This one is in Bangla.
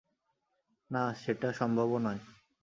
না, সেটা সম্ভবও নয়!